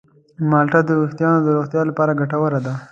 مالټه د ویښتانو د روغتیا لپاره ګټوره ده.